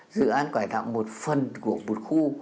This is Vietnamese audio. dự án cải tạo một phần của một khu